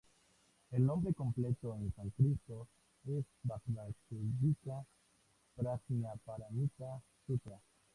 El nombre completo en sánscrito es "Vajracchedikā-prajñāpāramitā-sūtra".